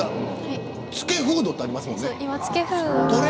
付けフードってありますもんね。